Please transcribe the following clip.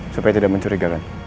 supaya tidak mencurigakan